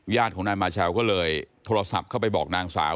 ญาติของนายมาเชลก็เลยโทรศัพท์เข้าไปบอกนางสาว